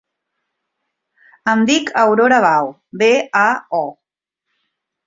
Em dic Aurora Bao: be, a, o.